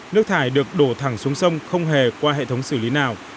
nước thải được đổ thẳng xuống sông không hề qua hệ thống xử lý nào